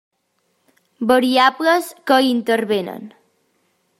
Variables que hi intervenen.